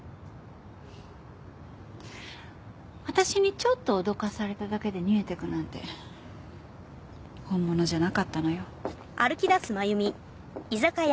ふっ私にちょっと脅かされただけで逃げてくなんて本物じゃなかったのよ。